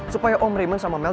supaya om raymond sama mel